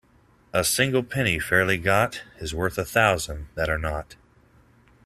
A single penny fairly got is worth a thousand that are not.